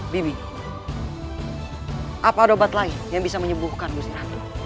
bibi apa dobat lain yang bisa menyembuhkan gusti ratu